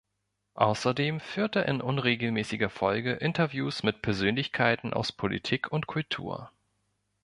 Außerdem führt er in unregelmäßiger Folge Interviews mit Persönlichkeiten aus Politik und Kultur.